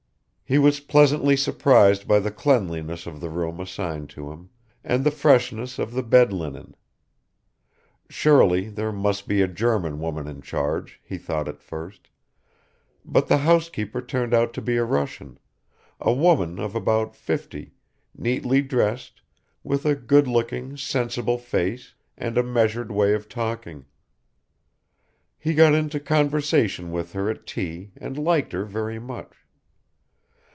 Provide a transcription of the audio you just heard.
He was pleasantly surprised by the cleanliness of the room assigned to him and the freshness of the bed linen; surely there must be a German woman in charge, he thought at first; but the housekeeper turned out to be a Russian, a woman of about fifty, neatly dressed, with a good looking, sensible face and a measured way of talking. He got into conversation with her at tea and liked her very much.